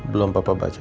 belum papa baca